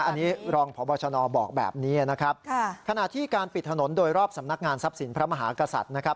อันนี้รองพบชนบอกแบบนี้นะครับขณะที่การปิดถนนโดยรอบสำนักงานทรัพย์สินพระมหากษัตริย์นะครับ